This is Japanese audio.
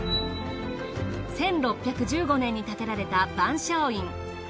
１６１５年に建てられた万松院。